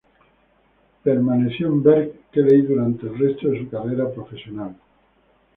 Permaneció en Berkeley durante el resto de su carrera profesional.